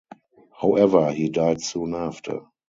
However, he died soon after.